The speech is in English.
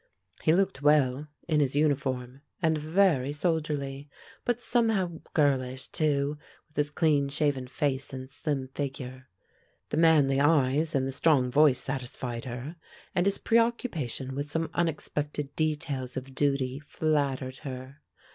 He looked well, in his uniform, and very soldierly, but somehow girlish, too, with his clean shaven face and slim figure. The manly eyes and the strong voice satisfied her, and his preoccupation with some unexpected details of duty flattered her.